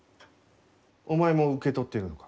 お前も受け取っているのか？